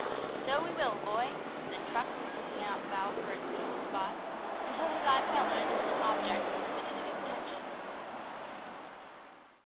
"So we will, boy," said Crux, looking about for a suitable spot, until his eye fell on a distant object that riveted his attention.